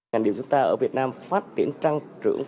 ngành điều chúng ta ở việt nam phát triển trăng trưởng